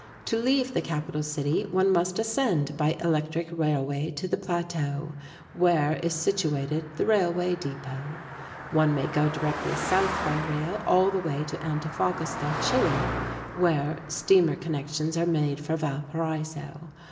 To leave the capital city, one must ascend by electric railway to the plateau, where is situated the railway depot. One may go directly south by rail all the way to Antofagasta, Chile, where steamer connections are made for Valparaiso.